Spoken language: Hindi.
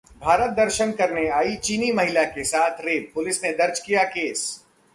भारत दर्शन करने आई चीनी महिला के साथ रेप, पुलिस ने दर्ज किया केस